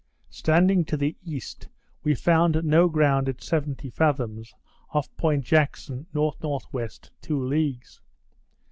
Standing to the east, we found no ground at seventy fathoms, off Point Jackson N.N.W., two leagues.